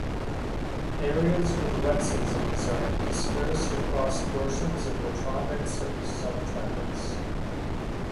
Areas with wet seasons are dispersed across portions of the tropics and subtropics.